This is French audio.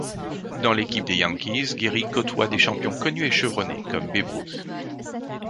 Dans l'équipe des Yankees, Gehrig côtoie des champions connus et chevronnés... comme Babe Ruth.